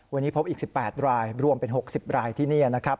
วันนี้พบอีก๑๘รายรวมเป็น๖๐รายที่นี่นะครับ